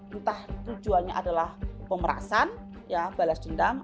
entah tujuannya adalah pemerasan ya balas dendam